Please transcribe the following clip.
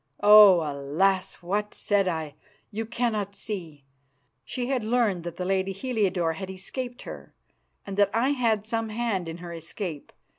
Oh, alas! what said I? You cannot see. She had learned that the lady Heliodore had escaped her, and that I had some hand in her escape.